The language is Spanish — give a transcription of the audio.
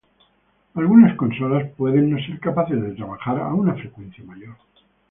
Algunas consolas pueden no ser capaces de trabajar a una frecuencia mayor.